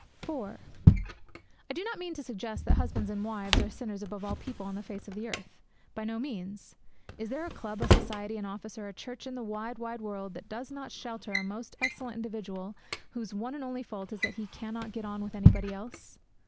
IV I do not mean to suggest that husbands and wives are sinners above all people on the face of the earth. By no means. Is there a club, a society, an office, or a church in the wide, wide world that does not shelter a most excellent individual whose one and only fault is that he cannot get on with anybody else?